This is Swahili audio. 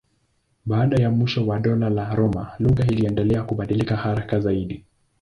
Baada ya mwisho wa Dola la Roma lugha iliendelea kubadilika haraka zaidi.